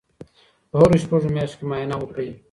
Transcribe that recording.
په هرو شپږو میاشتو کې معاینه وکړئ.